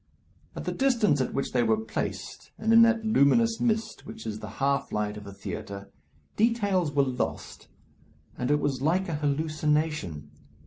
At the distance at which they were placed, and in that luminous mist which is the half light of a theatre, details were lost and it was like a hallucination.